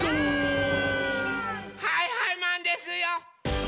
はいはいマンですよ！